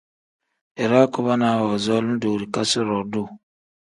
Iraa kubonaa woozooli doorikasi-ro duuu.